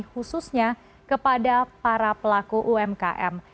khususnya kepada para pelaku umkm